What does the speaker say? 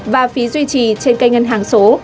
và phí duy trì trên kênh ngân hàng số